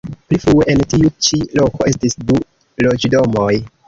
Pli frue en tiu ĉi loko estis du loĝdomoj.